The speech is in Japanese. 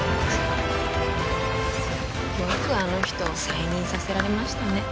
よくあの人を再任させられましたね